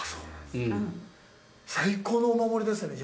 最高のお守りですよね。